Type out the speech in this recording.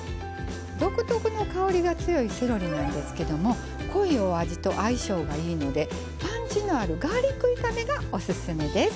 独特の香りが強いセロリなんですけども濃いお味と相性がいいのでパンチのあるガーリック炒めがおすすめです。